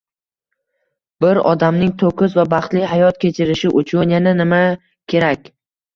Bir odamning to`kis va baxtli hayot kechirishi uchun yana nima kerak